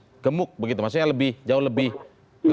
berarti ruang itu jauh lebih gemuk begitu maksudnya lebih jauh lebih gemuk